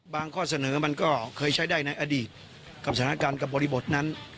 ข้อเสนอมันก็เคยใช้ได้ในอดีตกับสถานการณ์กับบริบทนั้น